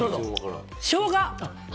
しょうが！